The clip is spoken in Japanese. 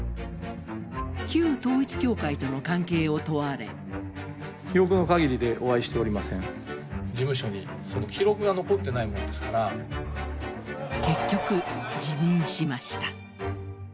旧統一教会との関係を問われ結局、辞任しました。